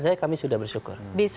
saya kami sudah bersyukur